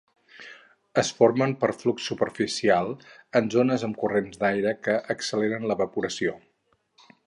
Es formen per flux superficial, en zones amb corrents d'aire que acceleren l'evaporació.